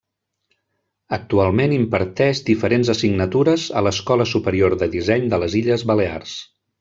Actualment imparteix diferents assignatures a l'Escola Superior de Disseny de les Illes Balears.